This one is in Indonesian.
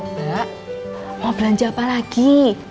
mbak mau belanja apa lagi